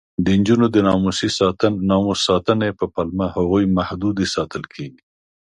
د نجونو د ناموس ساتنې په پلمه هغوی محدودې ساتل کېږي.